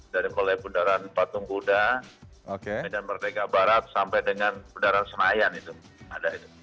dari mulai bundaran patung buddha medan merdeka barat sampai dengan bundaran senayan itu ada itu